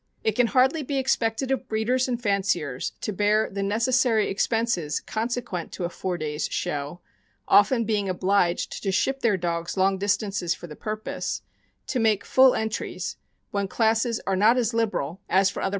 It can hardly be expected of breeders and fanciers to bear the necessary ex penses consequent to a four days show — often being obliged to ship their dogs long distances for the purpose — to make full entries, when classes are not as liberal as for other THE YORKSHIRE TERRIER.